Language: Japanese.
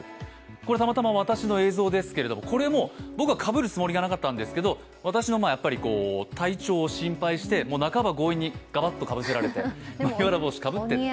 これたまたま私の映像ですけどこれも僕はかぶるつもりはなかったんですけど私の体調を心配して半ば強引にがばっとかぶせられて、麦わら帽子、かぶってって。